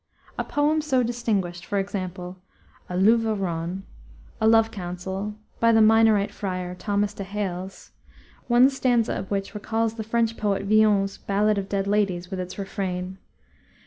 A poem so distinguished is, for example, A Luve Ron (A Love Counsel) by the Minorite friar, Thomas de Hales, one stanza of which recalls the French poet Villon's Balade of Dead Ladies, with its refrain.